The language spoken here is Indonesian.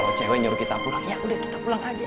eh kalau cewek nyuruh kita pulang yaudah kita pulang aja